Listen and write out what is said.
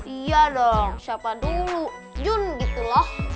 iya dong siapa dulu yun gitu loh